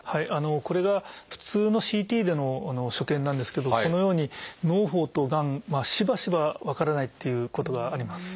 これが普通のＣＴでの所見なんですけどこのようにのう胞とがんしばしば分からないっていうことがあります。